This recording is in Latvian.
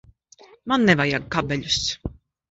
Man nevajag kabeļus.